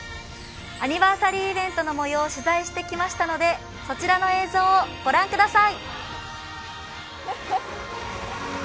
アニバーサリーイベントの模様を取材してきましたのでそちらの映像を御覧ください。